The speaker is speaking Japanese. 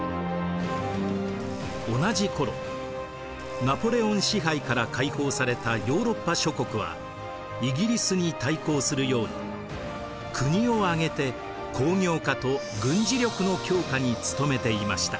同じ頃ナポレオン支配から解放されたヨーロッパ諸国はイギリスに対抗するように国を挙げて工業化と軍事力の強化に努めていました。